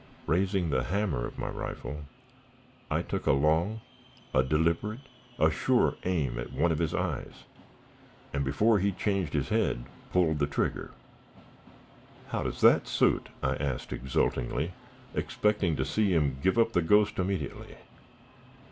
Raising the hammer of my rifle, I took a long, a deliberate, a sure aim at one of his eyes, and before he changed his head, pulled the trigger. "How does that suit?" I asked exultingly, expecting to see him give up the ghost immediately.